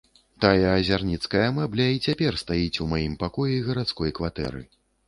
Тая азярніцкая мэбля і цяпер стаіць у маім пакоі гарадской кватэры.